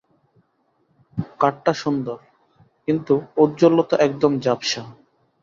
কাটটা সুন্দর, কিন্তু ঔজ্জ্বল্যতা একদম ঝাপসা।